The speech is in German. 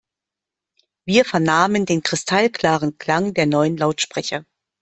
Wir vernahmen den kristallklaren Klang der neuen Lautsprecher.